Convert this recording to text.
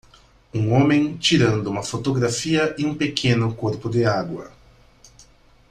Um homem tirando uma fotografia em um pequeno corpo de água.